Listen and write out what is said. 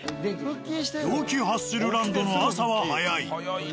陽気ハッスルランドの朝は早い。